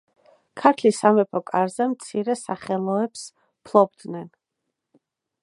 ქართლის სამეფო კარზე მცირე სახელოებს ფლობდნენ.